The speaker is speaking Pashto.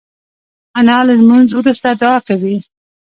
انا له لمونځ وروسته دعا کوي